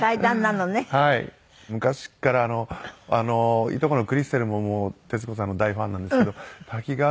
昔からいとこのクリステルも徹子さんの大ファンなんですけど滝川